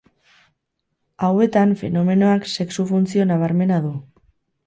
Hauetan fenomenoak sexu-funtzio nabarmena du.